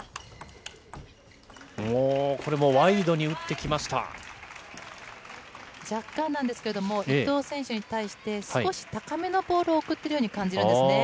これもワイドに打ってきまし若干なんですけれども、伊藤選手に対して少し高めのボールを送ってるように感じるんですね。